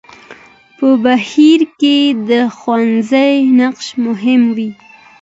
په بهير کې د ښوونکي نقش مهم وي.